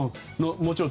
もちろん